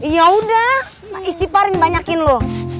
yaudah istiparin banyakin lo